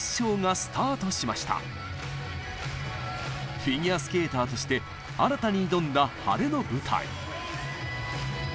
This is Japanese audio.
フィギュアスケーターとして新たに挑んだ晴れの舞台。